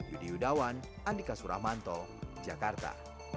yudi yudawan andika suramanto jakarta